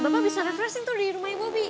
bapak bisa refreshing tuh di rumahnya bobi